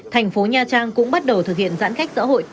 thành phố nha trang cũng bắt đầu thực hiện giãn cách xã hội